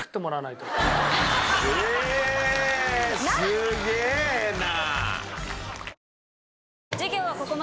すげえな！